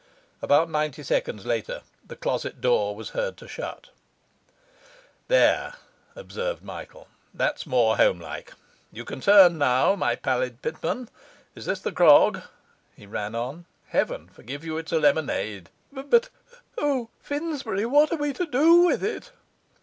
About ninety seconds later the closet door was heard to shut. 'There,' observed Michael, 'that's more homelike. You can turn now, my pallid Pitman. Is this the grog?' he ran on. 'Heaven forgive you, it's a lemonade.' 'But, O, Finsbury, what are we to do with it?